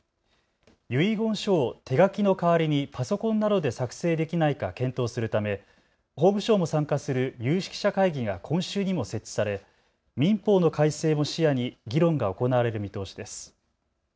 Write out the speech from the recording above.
遺言書を手書きの代わりにパソコンなどで作成できないか検討するため法務省も参加する有識者会議が今週にも設置され民法の改正も視野に議論が行われる見通しです。